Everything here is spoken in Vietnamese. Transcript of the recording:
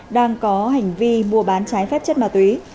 đang có hành vi mua bán trái phép chất ma túy